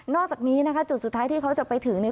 อกจากนี้นะคะจุดสุดท้ายที่เขาจะไปถึงเนี่ย